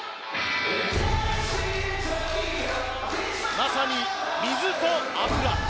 まさに、水と油。